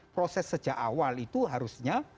proses sejak awal itu harusnya